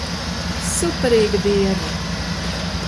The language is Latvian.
Superīga diena!